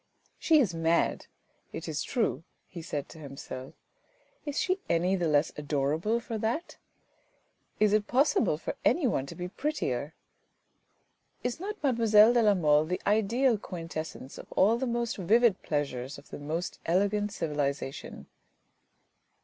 " She is mad, it is true," he said to himself. " Is she any the less adorable for that ? Is it possible for anyone to be prettier ? Is not mademoiselle de la Mole the ideal quintessence of all the most vivid pleasures of the most elegant civilisation?"